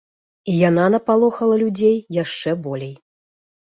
І яна напалохала людзей яшчэ болей.